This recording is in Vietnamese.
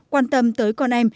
quan tâm tới con em